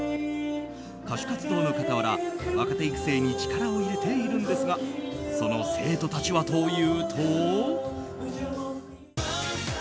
歌手活動の傍ら、若手育成に力を入れているんですがその生徒たちはというと。